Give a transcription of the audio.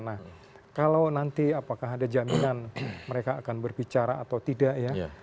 nah kalau nanti apakah ada jaminan mereka akan berbicara atau tidak ya